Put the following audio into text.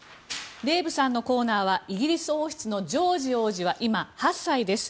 デーブさんのコーナーはイギリス王室のジョージ王子は今、８歳です。